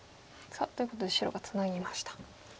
ということで白がツナぎました。